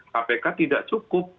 kpk tidak cukup